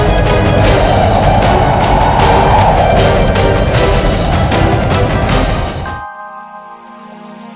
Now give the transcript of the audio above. j liegen di atas